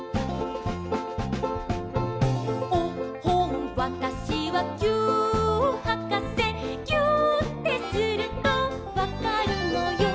「おっほんわたしはぎゅーっはかせ」「ぎゅーってするとわかるのよ」